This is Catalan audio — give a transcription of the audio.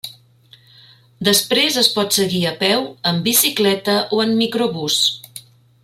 Després es pot seguir a peu, amb bicicleta o en microbús.